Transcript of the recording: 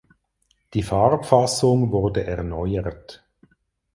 Die Farbfassung wurde erneuert.